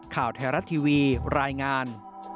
ข่าวแทรศทีวีรายงาน